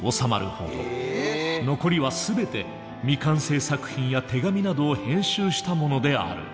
残りは全て未完成作品や手紙などを編集したものである。